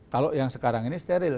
kalau yang sekarang ini steril